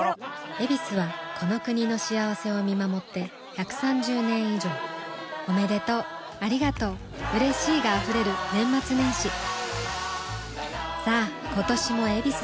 「ヱビス」はこの国の幸せを見守って１３０年以上おめでとうありがとううれしいが溢れる年末年始さあ今年も「ヱビス」で